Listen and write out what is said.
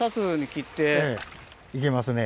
いけますね。